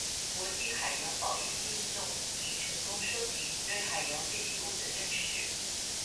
国际海洋保育运动已成功收集对海洋废弃物的认识。